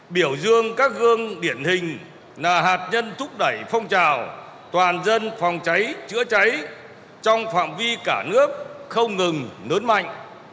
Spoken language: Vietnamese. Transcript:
biểu dương các gương điển hình là hạt nhân thúc đẩy phong trào toàn dân phòng cháy chữa cháy trong phạm vi cả nước không ngừng lớn mạnh